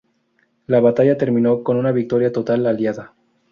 La batalla terminó con una victoria total aliada.